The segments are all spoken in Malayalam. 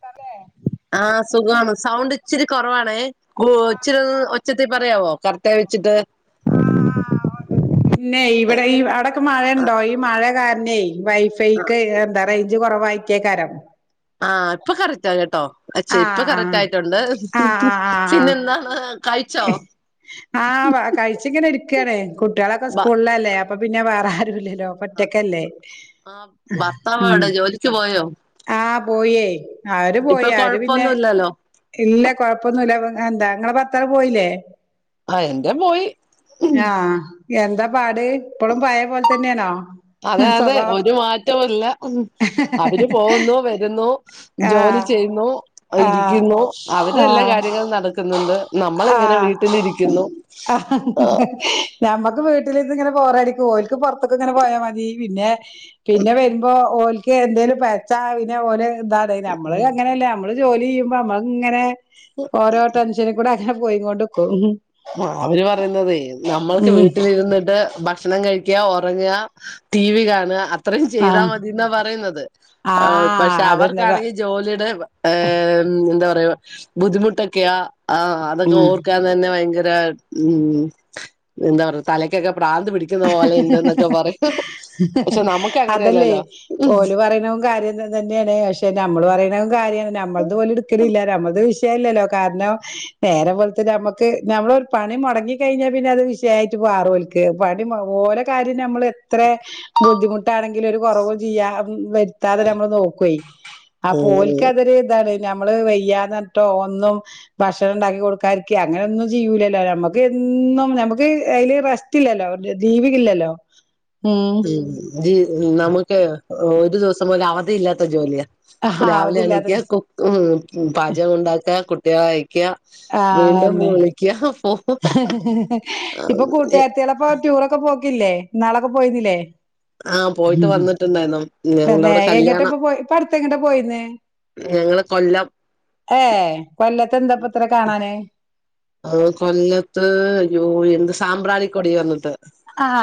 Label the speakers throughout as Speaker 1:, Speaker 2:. Speaker 1: തതെ
Speaker 2: ആ സുഖമാണ് സൗണ്ട് ഇച്ചിരി കുറവാണേ ഒച്ചിരി ഒച്ചത്തി പറയാവോ കറത്ത വെച്ചിട്ട്
Speaker 1: പിന്നെ ഇവിടെ അവിടക്ക മഴുണ്ടോ ഈ മഴ ക തന്നെ വൈഫൈക്ക് എന്താ റേഞ്ച് കൊറവായിട്ടേക്കാരം
Speaker 2: ആ ഇപ്പൊ കറക്റ്റ് ആ കേട്ടോ അച്ചേ
Speaker 1: ആഹ്
Speaker 2: ഇപ്പൊ കറക്റ്റ് ആയിട്ടുണ്ട് പിന്നെന്താണ് കഴിച്ചോ
Speaker 1: ആ കഴിച്ചിങ്ങനെ ഇരിക്കണേ കുട്ടികളൊക്കെ
Speaker 2: ബ
Speaker 1: സ്കൂളിലല്ലേ അപ്പൊ പിന്നെ വേറെ ആരുല്ലല്ലോ
Speaker 2: ആഹ്
Speaker 1: പറ്റക്കല്ലേ
Speaker 2: ആഹ് ഭർത്താവ് എവിടെ ജോലിക്ക് പോയോ
Speaker 1: പോയേ ആര്
Speaker 2: ഇപ്പൊ
Speaker 1: പോയി ആര് പിന്നെ
Speaker 2: കൊഴപ്പൊന്നുല്ലല്ലോ
Speaker 1: ഇല്ല കൊഴപ്പൊന്നില്ല എന്താ നിങ്ങ പത്തറ പോയില്ലേ
Speaker 2: ആ എന്റെ പോയി
Speaker 1: ആ എന്താ പാട് ഇപ്പഴും പയ പോലെ തന്നെയാണോ
Speaker 2: അതെ അതെ ഒരു മാറ്റവല്ല അവര്
Speaker 1: സ്വഭാവം
Speaker 2: പോകുന്നു വരുന്നു ജോലി
Speaker 1: ആഹ്
Speaker 2: ചെയുന്നു
Speaker 1: ആഹ്
Speaker 2: ഇരിക്കുന്നു അവരെല്ലാ
Speaker 1: ആഹ്
Speaker 2: കാര്യങ്ങളും നടക്കുന്നുണ്ട് നമ്മള ഇങ്ങനെ
Speaker 1: ആഹ്
Speaker 2: വീട്ടിലിരിക്കുന്നു
Speaker 1: ആഹ്
Speaker 2: ഹലോ
Speaker 1: ഞമ്മക്ക് വീട്ടില ഇതി ഇങ്ങനെ പോറടിക്കും ഓലക്ക് പുറത്തക്കും ഇങ്ങനെ പോയാ മതി പിന്നെ പിന്നെ വരുമ്പോ ഓലക്ക് എന്തേലും പച്ച പിന്നെ ഓല് എന്താ നമ്മള് അങ്ങനെല്ല നമ്മള് ജോലി ചെയ്യുമ്പോ നമ്മൾ ഇങ്ങനെ ഓരോ ടെൻഷനൽ കൂടെ അങ്ങനെ പോയി കൊണ്ട്ക്കും
Speaker 2: ആ അവര് പറയതേ നമ്മൾക്ക്
Speaker 1: ഉം
Speaker 2: വീട്ടിലിരുന്നിട്ട് ഭക്ഷണം കഴ ഉറങ്ങ ടി വി കാണുക അത്രയും ചെയ്താൽ
Speaker 1: ആഹ്
Speaker 2: മതിന്നാ പറയുന്നത്
Speaker 1: ആഹ്
Speaker 2: പക്ഷെ
Speaker 1: അതന്നെ പ
Speaker 2: അവർക്കാണെങ്കിൽ ജോലിയുടെ ഹ ഉ എന്താ പറയാ ബുദ്ധിമുട്ടൊക്കെയാ ആ അതൊക്കെ
Speaker 1: ഉം
Speaker 2: ഓർക്കാൻ തന്നെ പയ എന്താ തലക്കൊക്ക പ്രാന്ത് പി
Speaker 1: ഹ ഹ ഹ ഹ ഹ
Speaker 2: പക്ഷെ
Speaker 1: ഹ
Speaker 2: നമുക്ക്
Speaker 1: അതല്ലേ
Speaker 2: അങ്ങനെയല്ലല്ലോ ഉം
Speaker 1: ഓല പറയണവും കാര്യം തന്നെയാണ് പക്ഷെ നമ്മള് പറയണ കാര്യമാണ് നമ്മ പോലെ എടുക്കലില്ല നമ്മം വിയല്ലല്ലോ കാരണം നേരരെ പോലത്തെ നമുക്ക് നമ്മള ഒരു പണി മുടങ്ങി കഴിഞ്ഞാൽ പിന്നെ അത് വിഷയായിട്ട് വാറോലക്ക് ഓല കാര്യം നമ്മൾ എത്ര ബുദ്ധിമുട്ടാണെങ്കിൽ ഒരു കുറവ് ചെയ്യ ത്താതെ നമ്മള് നോക്ക അപ്പൊ ഓൽക്ക് അതൊരു എന്താണ് നമ്മള് വയ്യാന്നിട്ടോ ഒന്നും ഭക്ഷണം ഉണ്ടാക്കി കൊടുക്കാരിക്ക അങ്ങനെ ഒന്നും ചെയ്യൂലല്ലോ നമ്മുക്ക് ഒന്നും നമ്മക്ക് അതില് റെസ്റ്റ് ഇല്ലല്ലോ ദീപിക്കില്ലല്ലോ
Speaker 2: ഉ ത് ന്നമുക്ക് ഒരു ദിവസം പോലും അവധി ഇല്ലാത്ത ജോലിയാ
Speaker 1: ആഹാ
Speaker 2: രാവിലെ
Speaker 1: അതില്ലാത്ത
Speaker 2: എണീക്ക
Speaker 1: സ്
Speaker 2: കുക്കും പാചകം ഉണ്ടാക്കാ കുട്ട്യേളയ് ക്ക്യാ
Speaker 1: ആഹ്
Speaker 2: വീണ്ടും
Speaker 1: അന്നെ
Speaker 2: വുളിക്ക്യാ ഫോ
Speaker 1: ഇപ്പൊ കൂട്ടുകാര്ത്തിയോളപ്പം ടൂറൊക്കെ പോക്കില്ലേ ഇന്നാളൊക്കെ പോയിന്നില്ലേ
Speaker 2: ആഹ പോയിട്ട് വന്നിട്ടുണ്ടായ്ന്നു
Speaker 1: തന്നെ
Speaker 2: ഞങ്ങൾടവടെ
Speaker 1: എങ്ങട്ടാ
Speaker 2: കല്യാണം
Speaker 1: ഇപ്പൊ പോയി ഇപ്പ അടുത്ത് എങ്ങട്ടാ പോയിന്ന്
Speaker 2: ഞങ്ങള് കൊല്ലം
Speaker 1: ഏ കൊല്ലത്തെ എന്താപ്പ ഇത്ര കാണാന്
Speaker 2: ആ കൊല്ലത്ത് യോ എന്ത് സാമ്പ്രാണിക്കൊടി പർണ് ട്ട്
Speaker 1: ആഹ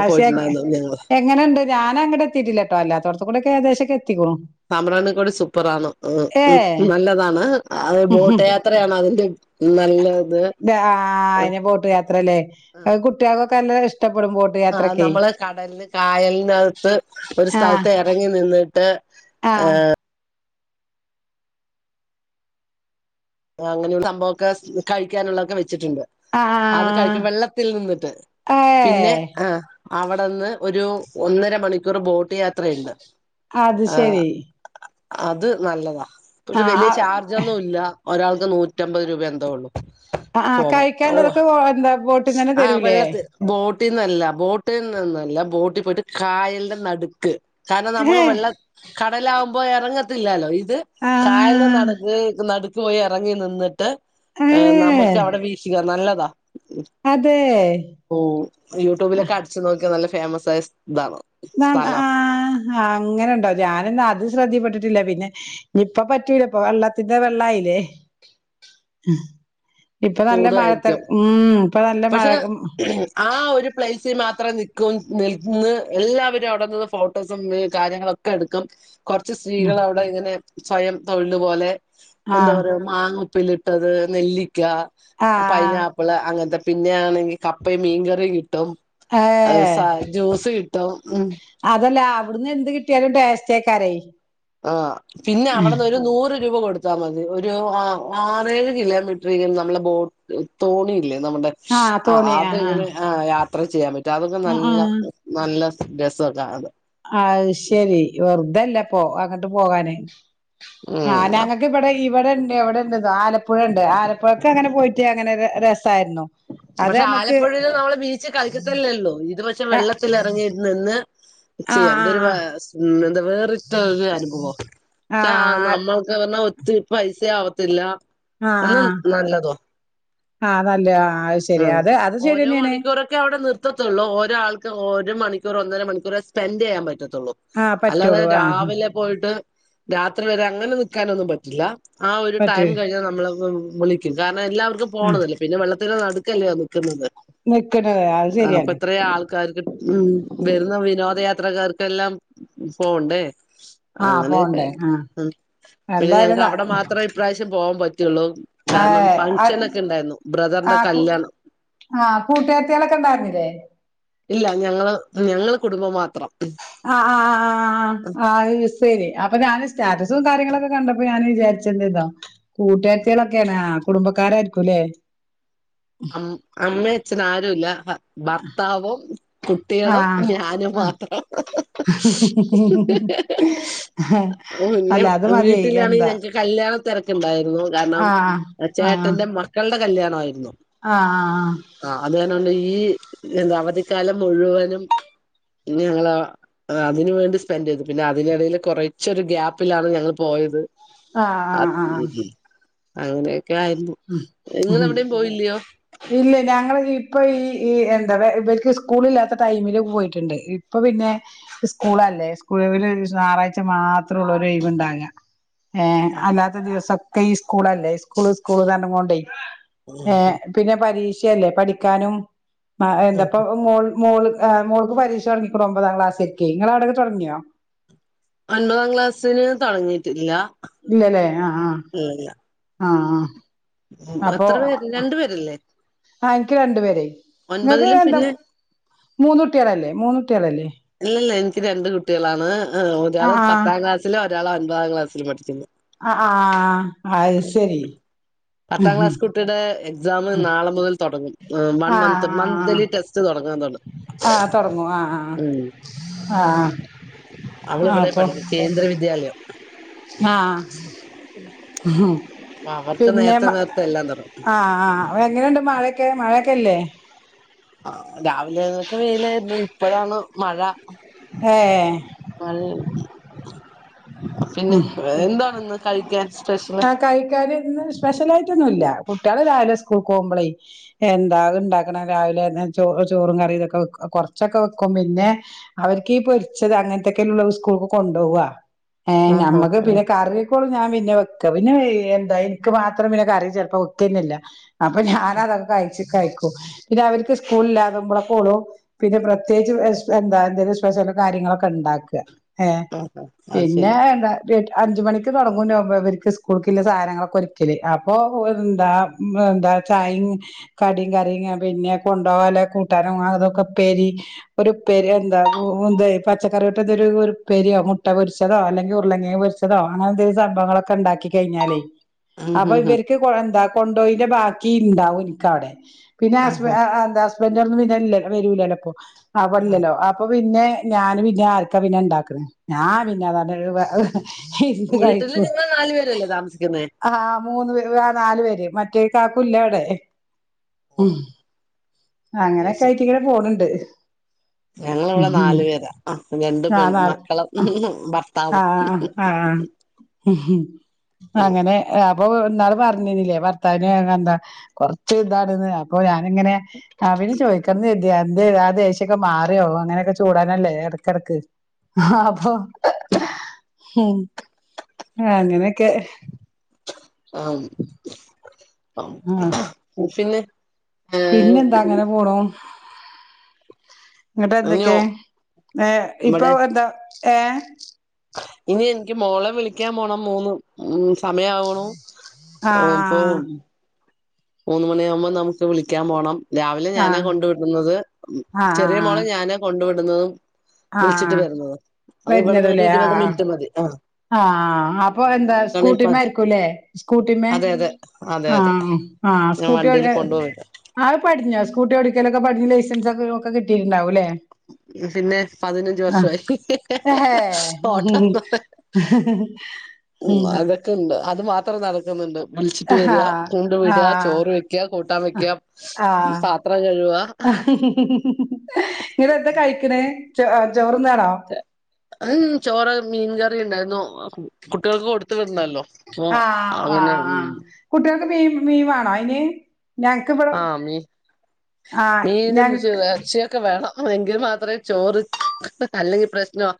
Speaker 1: ആശെനിയ
Speaker 2: ഞങ്ങള്
Speaker 1: എങ്ങന്ണ്ട് ഞാന ങ്ങട് എത്തിട്ടില്ലട്ടോ അല്ലാത്തോട്ത്തു ക്കുടെ ഏഗദേശക്കെത്തിക്കുണു
Speaker 2: സാമ്രാണി കൂടി സൂപ്പറാന്നു ഉ ഉ നല്ലതാണ് അതെ ബോട്ട്യാത്രയാണ് അതിന്റെ നല്ലത്
Speaker 1: ആഹ അയ്ന് ബോട്ട് യാത്രയാല്ലേ കുട്ട്യേളൊക്കെ നല്ല ഇഷ്
Speaker 2: ആഹ നമ്മള് കടല് കായലിനകത്ത് ഒരു സ്ഥലത്ത് ഇറങ്ങി നിന്നിട്ട്
Speaker 1: ആഹ
Speaker 2: അങ്ങനെയുള്ള സംഭവം ഒക്കെ കഴിക്കാനുള്ളോക്കെ വെച്ച് ച്ചിട്ട്ണ്ട് അത്
Speaker 1: ആഹ്
Speaker 2: കഴിക്കും വെള്ളത്തിൽ നിന്നിട്ട് പിന്നെ
Speaker 1: ഏഹ്
Speaker 2: ആ അവടെന്ന് ഒരു ഒന്നര മണിക്കൂറ് ബോട്ട് യാത്രയ്ണ്ട്
Speaker 1: അത് ശരി
Speaker 2: അത് നല്ലതാ പക്ഷെ വെല്യേ ചാർജൊന്നും ഇല്ല ഒരാൾക്ക് നൂറ്റമ്പത് രൂപ എന്തോ ഒള്ളൂ
Speaker 1: ആഹ് ആഹ്
Speaker 2: പോവാൻഓ
Speaker 1: കഴിക്കാല്ലതൊക്കെ എന്താ ബോട്ടിന്ന് തന്നെ
Speaker 2: ആ
Speaker 1: തരൂലേ
Speaker 2: വെള്ളത്ത് ബോട്ട് ബോട്ടിന്നല്ല ബോട്ട്ന്ന് ന്നല്ല ബോട്ടി പോയിട്ട് ക്കായൽന്റ ന്നടുക്ക് കാരണം ന്നമ്മ്ള്
Speaker 1: ഏ
Speaker 2: വെള്ളം കടലാവുമ്പോ എറങ്ങത്തില്ലല്ലോ ഇത്കായൽന്റെ
Speaker 1: ആഹ്
Speaker 2: ന്നടുക്ക് ഇത് ന്നടുക്ക്‌ പോയി ഇറങ്ങി നിന്നിട്ട്
Speaker 1: ഏഹ്
Speaker 2: ട്ട്നമുക്ക് അവിടെ വീക്ഷിക്ക നല്ലതാ
Speaker 1: അതെ
Speaker 2: ഓ യൂട്യൂബിലൊക്കെ അടിച്ച് ന്നോക്കിയ ന്നല്ല ഫേയ്മസ്സായ
Speaker 1: ണ്ട ആ അങ്ങനെണ്ടോ ഞാന് ന്ന അത് ശ്രദ്ധീപ്പെട്ടിട്ടില്ല പിന്നെ യിപ്പ പറ്റൂല ഇപ്പ വെള്ളത്തിന്റെ വെള്ളായില്ലേ അഹ് ഇപ്പൊ നല്ല മഴത്
Speaker 2: കൂടുവായിരിക്കും
Speaker 1: ഉം ഇപ്പന്നല്ല മഴ
Speaker 2: ച്ചി മാത്രം ന്നിക്കും നിൽന്ന് എല്ലാവരും അവ്ടെനിന്ന് ഫോട്ടോസും വേ കാര്യങ്ങളൊക്കെ എടുക്കും കുറച്ച് സ്ത്രീകള് അവിടെ ഇങ്ങനെ സ്വയം തൊഴില് പോലെ എന്താ
Speaker 1: ആഹ്
Speaker 2: പറയാ മാങ്ങ ഉപ്പിലിട്ടത് നെല്ലിക്ക
Speaker 1: ആഹ്
Speaker 2: പൈനാപ്പിള് അങ്ങൻത്തെ പിന്നെണെങ്കി കപ്പയും മീൻകറി കിട്ടും
Speaker 1: ഏഹ്
Speaker 2: സ ജ്യൂസ് കിട്ടും ഉം
Speaker 1: അതല്ല അവ്ടുന്ന് എന്ത് കിട്ടിയാലും ട്ടേസ്ട്ടായ്ക്കാരേ
Speaker 2: ആഹ പിന്നെ അവട്ന്നൊരു നൂറ് രൂപ കൊടുത്താ മതിഒരു ആറേഴ് കിലോമീറ്ററെരും ന്നമ്മളെ ബോട്ട് തോണില്ലേ നമ്മുടെ
Speaker 1: ആഹ്
Speaker 2: ആ
Speaker 1: തോണി ആഹ് ആഹ്
Speaker 2: അത്ങ്ങനെ ആ യാത്ര ചെയ്യാൻ പറ്റും അതൊക്കെ
Speaker 1: ആഹ്
Speaker 2: ന്നല്ല
Speaker 1: ആഹ്
Speaker 2: ന്നല്ല രസൊക്കാഅത്
Speaker 1: ഇതല്ലപ്പോ അങ്ങട്ട് പോകാന് ആ
Speaker 2: ഉം
Speaker 1: ഞങ്ങക്ക് ഇബടെയ് ഇവിടെ ഇണ്ട് അവ്ടെണ്ട്ന്ന് ആലപ്പുഴണ്ട് ആലപ്പുഴക്കങ്ങനെ പോയിട്ട് അങ്ങനെ രസായിരുന്നു അത്
Speaker 2: പക്ഷെ
Speaker 1: നമ്മക്ക്
Speaker 2: ആലപ്പുഴേല് ന്നമ്മള് ബീച്ച് കളിച്ചിട്ടല്ലേഒള്ളൂ ഇതു പക്ഷെ
Speaker 1: ആഹ്
Speaker 2: വെള്ളത്തിലെറങ്ങിയിട്ട് നിന്ന് ചെയ്യാം ഇതൊരുവെ
Speaker 1: ആഹ്
Speaker 2: മ് എന്താ വേറിട്ടാ ഒരു അനുഭവം ച്ചാ
Speaker 1: ആഹ്
Speaker 2: ന്നമ്മൾക്ക് പറഞ്ഞാ ഒത്തിരി പൈസ ആവത്തില്ല
Speaker 1: ആഹ
Speaker 2: എന്നാ
Speaker 1: ആഹ
Speaker 2: നല്ലതുവാ
Speaker 1: ആഹ ന്നല്ല ആ
Speaker 2: ആ ഓരോ മണിക്കൂറൊക്കെ അവിടെ നിർത്തത്തൊള്ളൂ ഓരോ ആൾക്ക് ഓരോ മണിക്കൂർ ഒന്നര മണിക്കൂറെ സ്പെന്റെയ്യാൻ പറ്റത്തൊള്ളൂ
Speaker 1: ആഹ്
Speaker 2: അല്ലാതെ
Speaker 1: പറ്റുള്ളൂ ആഹ്
Speaker 2: രാവിലെ പോയിട്ട് രാത്രി വരെ അങ്ങനെ നിക്കാനൊന്നും പറ്റില്ല ആ ഒരു
Speaker 1: പറ്റൂ
Speaker 2: ടൈം കഴിഞ്ഞാ ന്നമ്മളെ അങ്ങ് വിളിക്കും കാര ണം എല്ലാവർക്കും
Speaker 1: ആഹ്
Speaker 2: പോണതല്ലേ പിന്നെ വെള്ളത്തിന് ന്നടുക്കല്ലെ ന്നിക്കുന്നത്
Speaker 1: നിക്കണത് അത്
Speaker 2: ആ
Speaker 1: ശരിയാണ്
Speaker 2: ഇപ്പത്രെ ആൾക്കാര്ക്ക് ഉം വരുന്ന വിനോദയാത്രക്കാർക്കെല്ലാം പോണ്ടേ
Speaker 1: ആഹ്
Speaker 2: അങ്ങനെയൊക്കെ
Speaker 1: പോണ്ടേ ആഹ്
Speaker 2: ഉം പിന്നെ ഞങ്ങക്ക്
Speaker 1: എന്തായാലും
Speaker 2: അവിടെ മാത്രേ ഇപ്രാവശ്യം പോവാൻ പ റ്റിയുള്ളൂ കാരണം ഫങ്ങ്ഷനഒക്കെ ഉണ്ടായിരുന്നു ബ്രദറിന്റെ
Speaker 1: ആ
Speaker 2: കല്യാണം
Speaker 1: കൂട്ടുകരത്തികളൊക്കെ ഉണ്ടായിരുന്നില്ലേ
Speaker 2: ഇല്ല ഞങ്ങള് ഞങ്ങള് കുടുംബം മ
Speaker 1: ആ ആ ആ ആ ശരി അപ്പൊ സ്റ്റാറ്റസും കാര്യങ്ങളൊക്കെ കണ്ടപ്പോ ഞാൻ വിചാരിച്ചത് ഇതോ കൂട്ടുകാത്തികളൊക്കെയണാ കുടുംബക്കാരായിരിക്കും അല്ലെ
Speaker 2: അമ്മയും അച്ഛൻ ആരുല്ല ഭർത്താവും കുട്ടികളും ഞാനും
Speaker 1: ആഹ്
Speaker 2: മാത്രം
Speaker 1: അല്ല അത് മതിയായി എന്താ
Speaker 2: തിരക്ക് ഉണ്ടായിരുന്നു കാരണം
Speaker 1: ആഹ് ആഹ്
Speaker 2: ചേട്ടന്റെ മക്കളുടെ കല്യാണമായിരുന്നു
Speaker 1: ആഹ് ആഹ്
Speaker 2: ആ അത് കാരണമാണ് ഈ എന്ത് അവധിക്കാലം മുഴുവനും ഞങ്ങള അതിന് വേണ്ടി സ്പെൻഡ് ചെയ്തു പിന്നെ അതിനിടയിൽ കുറച്ചൊരു ഗ്യാപ്പിലാണ് ഞങ്ങൾ പോയത്
Speaker 1: ആ ആ
Speaker 2: ഉം
Speaker 1: ആഹ്
Speaker 2: ഉം അങ്ങനെയൊക്കെ ആയിരുന്നു
Speaker 1: ഉം ഉം
Speaker 2: നിങ്ങളെവിടെയും പോയില്ലയോ
Speaker 1: ഇല്ല ഞങ്ങള് ഇപ്പൊ ഈ എന്താ ഇവർക്ക് സ്കൂളില്ലാത്ത ടൈമില് പോയിട്ടുണ്ട് ഇപ്പൊ പിന്നെ പിന്നെ സ്കൂളല്ലേ സ്കൂളില് ഞായറാഴ്ച മാത്രമുള്ള ഒഴിവുണ്ടാകുക ഏ അല്ലാത്ത ദിവസക്കെ ഈ സ്കൂളല്ലേ സ്കൂള് സ്കൂൾ കാരണം കൊണ്ടേ ഏ പിന്നെ പരീക്ഷയല്ലേ പഠിക്കാനും മാ എൻ്റെപ്പൊ മോൾ മോള് ആ മോൾക്ക് പരീക്ഷ തൊടങ്ങിക്കുണു ഒമ്പതാം ക്ലാസിക്കെ നിങ്ങളാവിടെക്കെ തൊടങ്ങിയോ
Speaker 2: ഒൻമ്പതാം ക്ലാസ്സിന് തൊടങ്ങീട്ടില്ല
Speaker 1: ഇല്ലല്ലേ ആ ആ ആ അപ്പൊ
Speaker 2: എത്ര പേര് രണ്ടു പേരല്ലേ
Speaker 1: ആ എനിക്ക് രണ്ടു പേരെ നിങ്ങക്ക്
Speaker 2: ഒൻപതിലും
Speaker 1: എന്താ
Speaker 2: പിന്നെ
Speaker 1: മൂന്നുട്ടൃളല്ലേ മൂന്നുട്ടൃളല്ലേ
Speaker 2: ഇല്ലല്ല എനിക്ക് രണ്ട് കുട്ടികളാണ് ഒരാള്
Speaker 1: ആഹ്
Speaker 2: പത്താം ക്ലാസ്സില് ഒരാള് ഒൻപതാം ക്ലാസ്സില് പഠിക്കുന്നു
Speaker 1: ആ ആ അഹ് അതുശരി
Speaker 2: പത്താം ക്ലാസ് കുട്ടിയുടെ എക്സാം നാളെ മുതൽ തൊടങ്ങും ആ വൺമന്ത് മന്ത്ലി ടെസ്റ്റ് തൊടങ്ങാൻ തൊട
Speaker 1: ആ തൊടങ്ങൂ ആ ആ ആ
Speaker 2: അവള് ഇവിടെ പഠിക്കുന്നെ കേന്ദ്ര വിദ്യാലയം
Speaker 1: ആ ആ
Speaker 2: അപ്പൊ അവർക്ക്
Speaker 1: പിന്നെ
Speaker 2: നേരത്തെ
Speaker 1: മ
Speaker 2: നേരത്തെ എല്ലാം തൊടങ്ങും
Speaker 1: ആ ആ എങ്ങനെയുണ്ട് മഴൊക്കെ മഴക്കെല്ലേ
Speaker 2: ആ രാവിലെയൊക്കെ വെയിലായിരുന്ന് ഇപ്പോഴാണ് മഴ
Speaker 1: ഏ
Speaker 2: മഴ പിന്നെ വേറന്താണിന്ന് കഴിക്കാൻ സ്പെഷ്യല്
Speaker 1: ആ കഴിക്കാന് ഇന്ന് സ്പെഷ്യലായിട്ടൊന്നുല്ല കുട്ട്യള് രാവിലെ സ് ക് കോകുമ്പോളെ എന്താ ഇണ്ടാക്കണ രാവിലെ ചൊ ചോറും കറിം ഇതൊക്കെ വെക്കു കൊറച്ചൊക്കെ വെക്കു കും പിന്നെ അവർക്ക് ഈ പൊരിച്ചത് അങ്ങനത്തെക്കെള്ളു സ്കൂൾക് കൊണ്ടോവാ ഏ
Speaker 2: ആഹ് ആഹ്
Speaker 1: ഞമ്മക്ക്
Speaker 2: ആഹ്
Speaker 1: പിന്നെ കറിയൊക്കോള്ളു ഞാൻ പിന്നെ വെ ക്കാ പിന്നെ വേ എന്താ എനിക്ക് മാത്രം പിന്നെ കറി ചെലപ്പോ വെക്കതന്നെ ഇല്ല അപ്പൊ ഞാനതൊക്കെ കഴിച്ച് കഴികു പിന്നെ അവർക്ക് സ്കൂളില്ലാതുമ്പോളക്കെള്ളൂ പിന്നെ പ്രത്യേകിച്ച് വെഷ് എന്താ എന്തേലും സ്പെഷ്യലും കാര്യങ്ങ ങ്ങളൊക്കെണ്ടാക ഏ
Speaker 2: ആഹാ അത്
Speaker 1: പിന്നെ
Speaker 2: ശരി
Speaker 1: എന്ത അഞ്ച് മണിക്ക് തൊടങ്ങും ഒമ്പതരയ്ക്ക് സ്ക്കൂൾകില്ലെ സാനങ്ങളൊരുക്കല് അപ്പോ എന്താ മ് ന്താ ചായയും കടിം കാ ര്യങ്ങൾ പിന്നെ കൊണ്ടോ പോവാല്ലെ കൂട്ടാനും അതൊക്കെ ഉപ്പേരി ഒരുപ്പേരി എന്താ [unintelligible] പച്ചക്കറിയിട്ടതൊരു ഉപ്പേരിയോ മുട്ട പൊരിച്ചതോ അല്ലെങ്കി ഉരുളകിഴങ്ങ് പൊരിച്ചതോ അങ്ങനെന്തേലും സംഭവങ്ങളൊക്കെണ്ടാക്കി ക്കി കഴിഞ്ഞാലെ
Speaker 2: ഉം
Speaker 1: അപ്പൊ
Speaker 2: ഉം ഉം
Speaker 1: ഇവർക്ക് കൊ എന്താ കൊണ്ടോയിന്റെ ബാക്കിണ്ടാവും എനിക്കവടെ പിന്നെ ഹസ്ബ
Speaker 2: ആഹാ
Speaker 1: ആ ആ എന്താ ഹസ്ബന്ഡൊന്നും പിന്നല്ലല് വരൂലലൊപ്പൊ
Speaker 2: ആ
Speaker 1: അവല്ലല്ലോ അപ്പൊ പിന്നെ ഞാന് പിന്നെ ആർക്കാ പിന്നെണ്ടാക്കണ് ഞാൻ പിന്നെ അതത് ഇരുന്ന്
Speaker 2: വീട്ടില്
Speaker 1: കഴിക്കും
Speaker 2: നിങ്ങൾ നാല് പേരല്ലേ താമസിക്കുന്നേ
Speaker 1: ആ മൂന്ന് പേര് നാലു പേര് മറ്റേ കാക്കുല്ലവിടെ
Speaker 2: ഓ
Speaker 1: ഉം
Speaker 2: അത് ശരി
Speaker 1: അങ്ങനെയൊക്കായിട്ട്ങ്ങനെ പോണ് ണ്ട്
Speaker 2: ഞങ്ങളിവിടെ നാലു പേരാ രണ്ട്
Speaker 1: ആ
Speaker 2: പെൺ
Speaker 1: നാൾ
Speaker 2: മക്കളും ഭർത്താവും
Speaker 1: ഉംഹ് അങ്ങനെ അപ്പൊ ന്നാള് പറഞ്ഞീനിലേ ഭർത്താവിന്എർനെന്താ കൊറ്ച്ച്താണ്ന്ന് അപ്പൊ ഞാനിങ്ങനെ ആ പിന്നെ ചോദിക്കണംന്നരുദേ അന്റെ ആ ദേഷ്യൊക്കെ മാറിയോ അങ്ങനെയൊക്കെ ചൂടനല്ലേ ഏടക്കടക്ക് ആ അപ്പൊ ഉം അങ്ങനെ ക്കെ
Speaker 2: ആം ആം
Speaker 1: ആ
Speaker 2: പിന്നെ ഏഹ്
Speaker 1: പിന്നെന്താ അങ്ങനെ പോണൂ
Speaker 2: ഇനിയോ
Speaker 1: ഇങ്ങട്ട്ന്തൊക്കെ ഏ ഇപ്പൊ
Speaker 2: ഇവിടെ
Speaker 1: എന്താ ഏ
Speaker 2: ഇനി എനിക്ക് മോളെ വിളിക്കാംപോണം മൂന്ന് ഉം സമയാവുണു
Speaker 1: ആ
Speaker 2: ഇം പ്പൊ മൂന്ന് മണിയാവുമ്പൊ നമുക്ക് വിളിക്കാംപോണം രാവിലെ
Speaker 1: ആ
Speaker 2: ഞാനാ കൊണ്ടു വിടുന്നത് മ്
Speaker 1: ആ
Speaker 2: ചെറിയേ മോളെ ഞാനാ കൊണ്ടു വിടുന്നതും
Speaker 1: ആ ആ
Speaker 2: വിളിച്ചിട്ട് വരുന്നതും അത് ഇവിടുന്ന് ഒരു
Speaker 1: വരുന്നതല്ലേ ആ
Speaker 2: ഇരുപത് മിൻറ്റ്മതി ആ
Speaker 1: ആ അപ്പൊ എന്താ സ്കൂട്ടിമ്മെ ആയിരിക്കൂല്ലേ സ്കൂട്ടിമ്മേ
Speaker 2: അതെ അതെ അതെ അതെ
Speaker 1: ആമ് അ
Speaker 2: ഞാൻ
Speaker 1: സ്കൂട്ടിഓടി
Speaker 2: വണ്ടിൽ കൊണ്ടുപോയില്ല
Speaker 1: ആത് പഠിഞ്ഞോ സ്കൂട്ടിഓടിക്കലൊക്കെ പഠിഞ്ഞ് ലൈസൻസൊക്കെ ഒക്കെ കിട്ടീട്ടുണ്ടാവുംല്ലേ
Speaker 2: പിന്നെ പതിനഞ്ച് വർ ഷോയി ഹ്ഹ്ഹ്ഹ്ഹ ഓട്ട
Speaker 1: ഹ്ഹ് ഹ്മ്
Speaker 2: അതൊക്കെ ഉണ്ട് അത് മാത്രം നടക്കുന്നുണ്ട് വിളിച്ചിട്ട് വര്യ കൊണ്ട് വിട്യ
Speaker 1: ആഹ്
Speaker 2: ചോറ് വെക്ക്യ കൂട്ടാം വെക്ക്യ പാത്രം കഴുവുക
Speaker 1: ഹ്‌ഹ്‌ ഹ് ഹ് ഹ് ന്നിട്ടെന്താ കഴിക്ക്ണേ ചോ ചോറ്ന്നാണോ
Speaker 2: [inaudible] ചോറ് മീൻകറി ഉണ്ടായിരുന്നു കുട്ടികൾക്ക് കൊടുത്ത് വീട്ണല്ലോ
Speaker 1: ആ ആആ് കുട്ടികൾക്ക് മീൻ മീൻ വാണോ അയ്ന്
Speaker 2: ആഹ് മീ
Speaker 1: ആഹ്
Speaker 2: മീനും
Speaker 1: ഞങ്ങ
Speaker 2: ഇച്ചി എറച്ചിയൊക്കെ വേണം ആ എങ്കിൽ മാത്രേ ചോറ് അല്ലെങ്കി പ്രശ്ന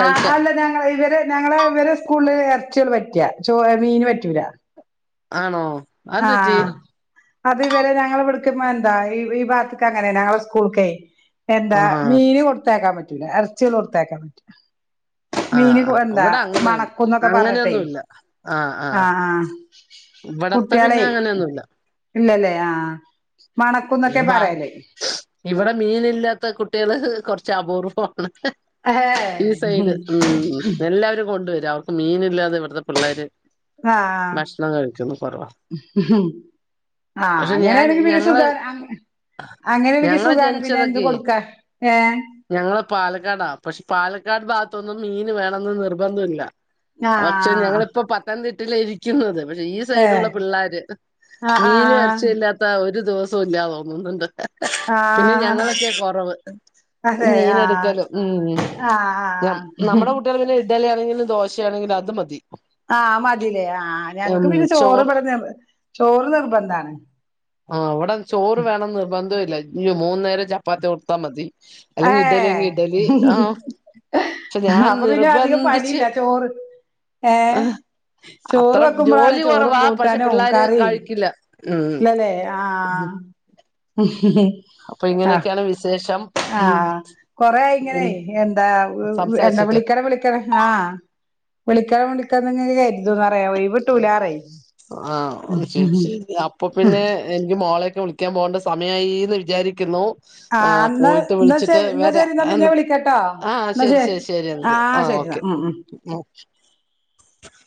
Speaker 1: ആ അല്ല ഞങ്ങളെഇവര് ഞങ്ങളെ ഇവരെ സ്കൂൾല് [unintelligible] പറ്റ്യ ചോ ഏ മീന് പറ്റൂല
Speaker 2: ആണോ അതെന്ത് പറ്റി
Speaker 1: ആഹ് അത് ഇവരെ ഞങ്ങള്വ്ട്ക്ക് എന്താ ഈ ഭാ ക്ക് അങ്ങനെ ഞങ്ങളെ സ്കൂൾ ക്കെ എന്താ
Speaker 2: ആഹ്
Speaker 1: മീൻ കൊടുത്തയക്കാൻ പറ്റും [unintelligible] എറച്ചികള് കൊടുത്തയക്കാംപറ്റൂല
Speaker 2: ആഹ്
Speaker 1: മീന് കൊ
Speaker 2: ആഹ്
Speaker 1: എന്താ
Speaker 2: ഇവിടെ അങ്ങനെ
Speaker 1: മണക്കുംന്നൊക്കെ പറഞ്ഞിട്ടെ
Speaker 2: അങ്ങനെയൊന്നുല്ല
Speaker 1: ആഹ് ആഹ്
Speaker 2: ഇവടെ
Speaker 1: കുട്ട്യാളേയ് ഇല്ലല്ലേ ആഹ്
Speaker 2: ഈ
Speaker 1: മണക്കുന്നൊക്കെ
Speaker 2: ഭാ
Speaker 1: പറയല്
Speaker 2: ഇവിടെ മീനില്ലാത്ത കുട്ട്യാള് ഹ് ഹ് ഹ് കൊറച്ച് അപൂർവ്വാണ്
Speaker 1: [unintelligible]
Speaker 2: ഉം ഉം എല്ലാവരും കൊണ്ടുവരും അപ്പോ മീനില്ലാതെ ഇവട്ത്തെ പിള്ളേര്
Speaker 1: ഹാ
Speaker 2: ഭക്ഷണം കഴിക്കുന്നു കുറവാ
Speaker 1: [unintelligible] ആഹ്
Speaker 2: പക്ഷെ ഞാൻ
Speaker 1: അങ്ങനേണെങ്കി പിന്നെ
Speaker 2: ഞങ്ങള്
Speaker 1: സുഖാ അങ്ങ അങ്ങനേണങ്കി
Speaker 2: ഞങ്ങള്
Speaker 1: സുഖാണ് പിന്നെ എന്തും
Speaker 2: ജനിച്ചതൊക്കെ
Speaker 1: കൊടുക്കാ ഏഹ്
Speaker 2: ഞങ്ങള് പാലക്കാടാ പക്ഷ് പാലക്കാട് ഭാഗ [unintelligible] മീന് വേണന്ന് നിർബന്ധ ഇല്ല, പക്ഷെ
Speaker 1: ആഹ്
Speaker 2: ഞങ്ങളിപ്പൊ പത്തനംതിട്ടില ഇരിക്കുന്നത് പക്ഷെ ഈ
Speaker 1: ഏഹ്
Speaker 2: സൈഡിലുള്ള പിള്ളേര് ഹ്
Speaker 1: ആഹ്
Speaker 2: മീൻ
Speaker 1: ആഹ്
Speaker 2: വരച്ചയില്ലാത്ത ഒരു ദിവസം ഒത്തുംഇല്ലാ തോന്നുന്നുണ്ട് പിന്നെ
Speaker 1: ആഹ്
Speaker 2: ഞങ്ങളൊക്കെയ കൊറവ്
Speaker 1: അതെ ആഹ്
Speaker 2: മീനെടുക്കലും
Speaker 1: ആഹ് ആഹ്
Speaker 2: നമ്മുടെ
Speaker 1: ആഹ്
Speaker 2: കുട്ടികൾെ പിന്നെ ഇഡലി ആണെങ്കിലും ദോശയാണെങ്കിലും അത് മതി
Speaker 1: ആഹ് മതീല്ലേ ആഹ് ഞങ്ങക്ക് പിന്നെ ചോറ് ഇവിടെ നി ചോറ് നിർബന്ധാണ്
Speaker 2: ആ ഇവിടെ ചോറ് വേണം നിർബന്ധവില്ല മൂന്ന് നേരം ചപ്പാത്തി കൊടുത്താ മതി
Speaker 1: ഏ
Speaker 2: അല്ലെങ്കിൽ ഇഡലിയെങ്കി ഇഡലി
Speaker 1: ഹ്
Speaker 2: ആ
Speaker 1: ഹ് ഹ്
Speaker 2: പക്ഷെ
Speaker 1: ഹ്
Speaker 2: ഞാൻ
Speaker 1: അപ്പൊ പിന്നെ അധികം
Speaker 2: നിർബന്ധിച്ച്
Speaker 1: പണിയില്ല ചോറ് ഏ ചോറ്
Speaker 2: അത്ര
Speaker 1: വെക്കുമ്പഴാണ്
Speaker 2: ജോലി
Speaker 1: ചോറും
Speaker 2: കുറവാ പക്ഷെ
Speaker 1: കൂട്ടാനും
Speaker 2: പിള്ളേര്
Speaker 1: കറീം
Speaker 2: കഴിക്കില്ല ഉം
Speaker 1: ഇല്ലല്ലേ ആഹ്
Speaker 2: അപ്പൊ
Speaker 1: ആഹ്
Speaker 2: ഇങ്ങനെയൊക്കെയാണ് വിശയ
Speaker 1: ആഹ് കൊറേ ആയി ഇങ്ങനെ എന്താ എന്താ
Speaker 2: സംസാരിച്ചിട്ട്
Speaker 1: വിളിക്കണം വിളിക്കണം ആഹ് വിളിക്കണം വിളിക്കാന്ന്ങ്ങനെ കരുതുന്നറിയാ ഒയ്‌വ്ട്ടൂലാറയ്
Speaker 2: ആ ഒ ശരി ശരി അപ്പൊ പിന്നെ എനിക്ക് മോളെ വിളിക്കാൻ പോണ്ട സമയമായിന്ന് വിചാരിക്കുന്നു ആഹ്
Speaker 1: എന്നാ
Speaker 2: പോയിട്ട്
Speaker 1: എന്നാ
Speaker 2: വിളിച്ചിട്ട്
Speaker 1: ശരി എന്നാ
Speaker 2: വരാ
Speaker 1: ശരി
Speaker 2: അ
Speaker 1: പിന്നെ
Speaker 2: എന്നാ
Speaker 1: വിളിക്കട്ടോ
Speaker 2: ആഹ് ശരി ശരി ശരി എങ്ക് ആ
Speaker 1: ആഹ്
Speaker 2: ഓ
Speaker 1: ശരി എന്നാ
Speaker 2: ഓക്കെ
Speaker 1: ഉം ഉം
Speaker 2: [unintelligible]